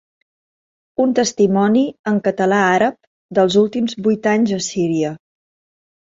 Un testimoni en català-àrab dels últims vuit anys a Síria.